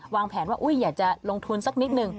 วางแผนว่าอยากจะลงทุนสักนิดนึง